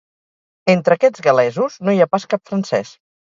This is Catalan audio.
Entre aquests gal·lesos no hi ha pas cap francès.